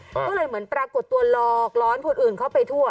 ก็เลยเหมือนปรากฏตัวหลอกร้อนคนอื่นเข้าไปทั่ว